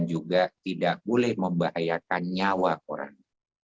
juga tidak boleh membahayakan nyawa orang